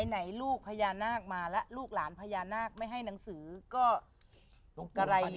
ไหนลูกพญานาคมาแล้วลูกหลานพญานาคไม่ให้หนังสือก็ตรงกระไรดี